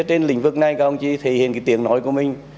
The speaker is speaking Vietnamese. trên lĩnh vực này các ông chỉ thể hiện cái tiếng nói của mình